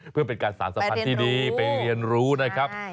เพื่อเป็นการสารสัมพันธ์ที่ดีไปเรียนรู้นะครับ